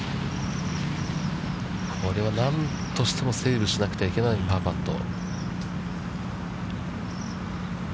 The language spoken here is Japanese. これは何としてもセーブしなくてはいけないパーパット。